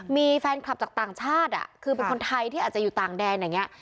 มีแฟนคลับจากต่างชาติคือเป็นคนไทยที่อาจจะอยู่ต่างแดนอย่างนี้